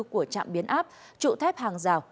của trạm biến áp trụ thép hàng rào